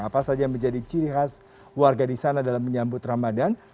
apa saja yang menjadi ciri khas warga di sana dalam menyambut ramadan